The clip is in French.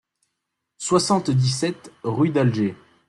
soixante-dix-sept rue d'Alger